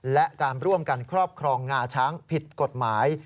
และการร่วมกันครอบครองงาช้างผิดกฎหมาย